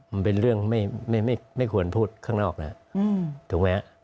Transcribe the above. มันเป็นเรื่องไม่ควรพูดข้างนอกแล้วถูกไหมฮะ